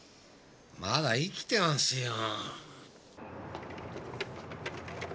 まだ生きてますよ。